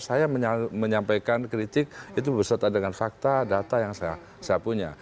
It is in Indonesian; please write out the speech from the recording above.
saya menyampaikan kritik itu berserta dengan fakta data yang saya punya